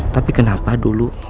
tapi kenapa dulu